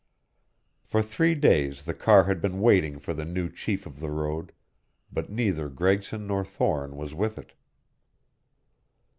For three days the car had been waiting for the new chief of the road, but neither Gregson nor Thorne was with it.